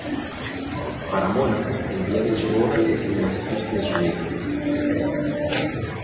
Para Mona, el día de su boda es el más triste de su vida.